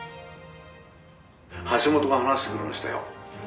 「橋本が話してくれましたよ」